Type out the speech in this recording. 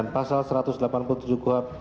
pasal satu ratus delapan puluh tujuh kuhap